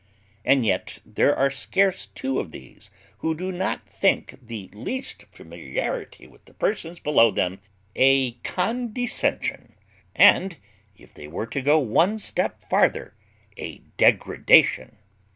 And yet there are scarce two of these who do not think the least familiarity with the persons below them a condescension, and, if they were to go one step farther, a degradation.